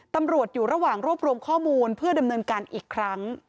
ตำรวจอยู่ระหว่างรวบรวมข้อมูลเพื่อดำเนินการอีกครั้ง